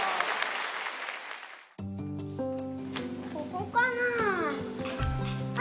ここかなあ？